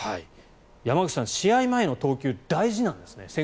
山口さん、試合前の投球大事なんですね。